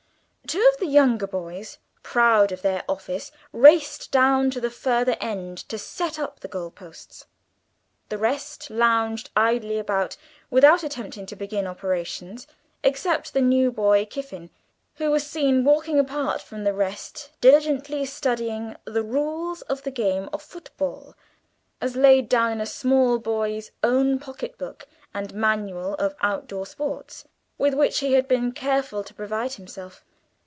Two of the younger boys, proud of their office, raced down to the further end to set up the goal posts. The rest lounged idly about without attempting to begin operations, except the new boy Kiffin, who was seen walking apart from the rest, diligently studying the "rules of the game of football," as laid down in a small Boy's Own Pocket Book and Manual of Outdoor Sports, with which he had been careful to provide himself.